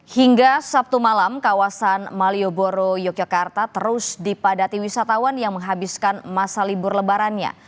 hingga sabtu malam kawasan malioboro yogyakarta terus dipadati wisatawan yang menghabiskan masa libur lebarannya